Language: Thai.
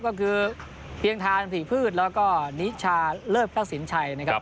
ก็คือเพียงทานผีพืชแล้วก็นิชาเลิศพระสินชัยนะครับ